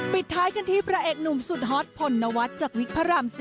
ปิดท้ายกันที่พระเอกหนุ่มสุดฮอตพลนวัฒน์จากวิกพระราม๔